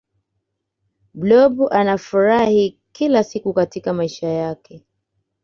blob anafurahi kila siku katika maisha yake